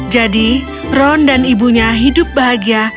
jadi ron dan ibunya hidup bahagia